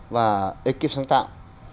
và ekip sáng tạo